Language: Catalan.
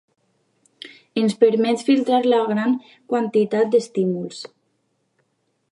ens permet filtrar la gran quantitat d'estímuls